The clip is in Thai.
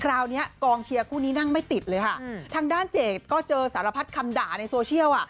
เนี้ยกองเชียร์คู่นี้นั่งไม่ติดเลยค่ะทางด้านเจดก็เจอสารพัดคำด่าในโซเชียลอ่ะ